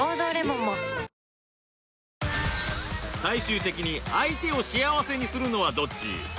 最終的に相手を幸せにするのはどっち？